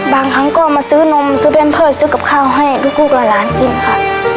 บางครั้งก็เอามาซื้อนมซื้อเป็นเพิดซื้อกับข้าวให้ลูกลูกละล้านกินค่ะ